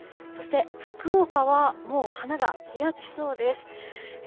そして福岡はもう花が開きそうです。